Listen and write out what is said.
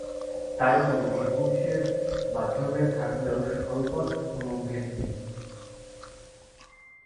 তাই বলি, মেয়ে-পুরুষে বাহ্য ভেদ থাকলেও স্বরূপত কোন ভেদ নেই।